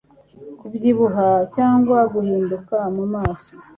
kubyibuha cyangwa guhinduka mu maso